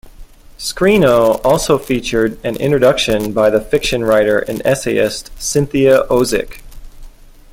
"Screeno" also featured an introduction by the fiction writer and essayist, Cynthia Ozick.